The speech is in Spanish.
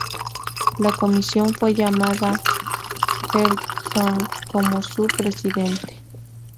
La comisión fue llamada Herzog, como su presidente.